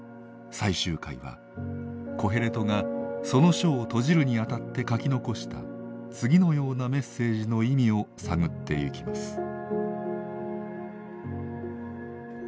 最終回はコヘレトがその書を閉じるにあたって書き残した次のようなメッセージの意味を探ってゆきます。